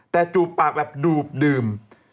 แต่จูบปากแบบดูบดื่ม